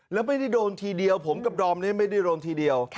แล้วไม่ได้โดนทีเดียวผมกับดอมนี้ไม่ได้โดนทีเดียว